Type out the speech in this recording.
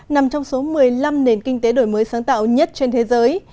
nằm trong số một mươi năm nền kinh tế đổi mới sáng tạo nhất trên thế giới